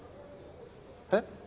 えっ！？